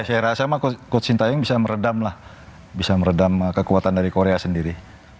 saya rasa coach sintayong bisa meredam kekuatan dari korea sendiri